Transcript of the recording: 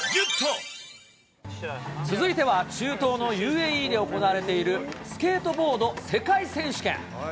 続いては中東のＵＡＥで行われている、スケートボード世界選手権。